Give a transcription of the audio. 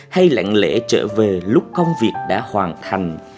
hay lặng lẽ trở về lúc công việc đã hoàn thành